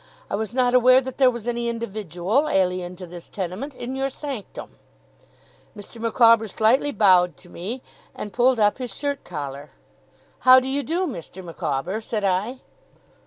'I was not aware that there was any individual, alien to this tenement, in your sanctum.' Mr. Micawber slightly bowed to me, and pulled up his shirt collar. 'How do you do, Mr. Micawber?' said I.